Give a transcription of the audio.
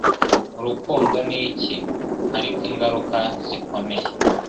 Urukundo ni iki ariko ingaruka zikomeye